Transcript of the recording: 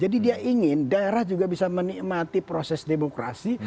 jadi dia ingin daerah juga bisa menikmati proses demokrasi